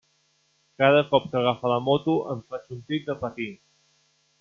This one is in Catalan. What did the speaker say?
Cada cop que agafa la moto em faig un tip de patir.